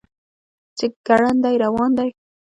چې ګړندی روان دی.